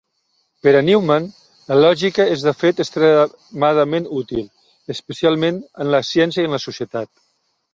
Per a Newman, la lògica és de fet extremadament útil, especialment en la ciència i en la societat.